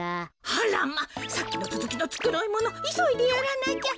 あらまさっきのつづきのつくろいものいそいでやらなきゃ。